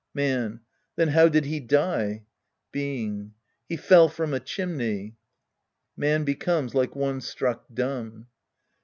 Man. Then how did he die ? Being. He fell from a chimney. {Man becomes like one struck dumb.)